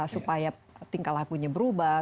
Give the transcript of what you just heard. supaya tingkah lakunya berubah